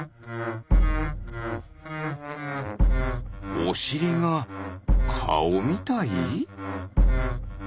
おしりがカオみたい？